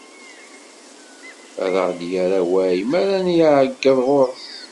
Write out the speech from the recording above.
A aɣ-d-yerr awal mi ara nɛeyyeḍ ɣur-s.